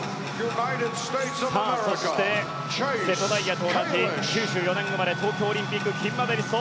そして、瀬戸大也と同じ９４年生まれ東京オリンピック金メダリスト